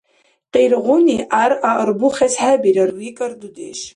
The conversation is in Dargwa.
— Къиргъуни гӀяргӀя арбухес хӀебирар, — викӀар дудеш.